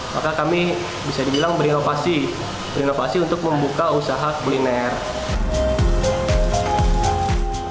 maka kami bisa dibilang berinovasi untuk membuka usaha kuliner